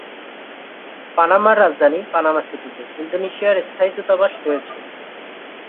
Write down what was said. পানামার রাজধানী পানামা সিটিতে, ইন্দোনেশিয়ার স্থায়ী দূতাবাস রয়েছে।